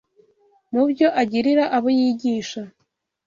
Mu byo agirira abo yigisha,